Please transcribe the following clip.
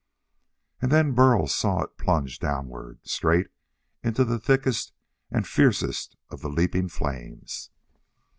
And then Burl saw it plunge downward, straight into the thickest and fiercest of the leaping flames.